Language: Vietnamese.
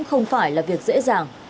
không phải là việc dễ dàng